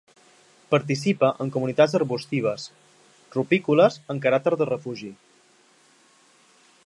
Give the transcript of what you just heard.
Participa en comunitats arbustives rupícoles amb caràcter de refugi.